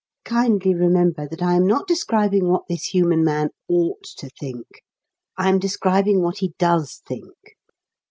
(Kindly remember that I am not describing what this human man ought to think. I am describing what he does think.)